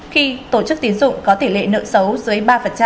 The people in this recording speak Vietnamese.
khi tổ chức tín dụng có tỷ lệ nợ xấu dưới ba